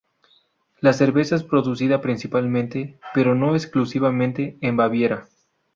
La cerveza es producida principalmente, pero no exclusivamente, en Baviera.